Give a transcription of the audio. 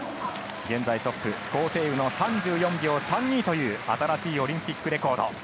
現在トップ、高亭宇の３４秒３２という新しいオリンピックレコード。